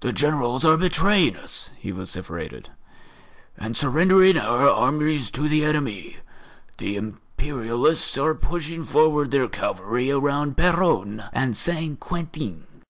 "The Generals are betraying us," he vociferated, "and surrendering our armies to the enemy. The Imperialists are pushing forward their cavalry around Péronne and Saint Quentin.